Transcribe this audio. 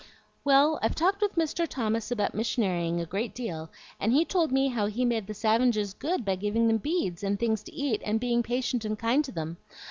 "Well, I've talked with Mr. Thomas about missionarying a great deal, and he told me how he made the savinges good by giving them beads, and things to eat, and being patient and kind to them.